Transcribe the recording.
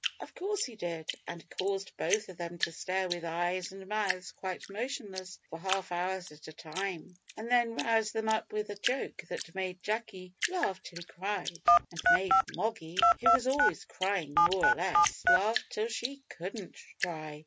Of course he did, and caused both of them to stare with eyes and mouths quite motionless for half hours at a time, and then roused them up with a joke that made Jacky laugh till he cried, and made Moggy, who was always crying more or less, laugh till she couldn't cry!